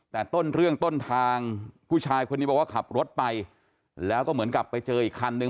แต่ต้นเรื่องต้นทางผู้ชายคนนี้บอกว่าขับรถไปแล้วก็เหมือนกับไปเจออีกคันนึง